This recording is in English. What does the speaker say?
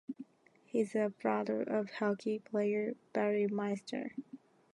He is a brother of hockey player Barry Maister.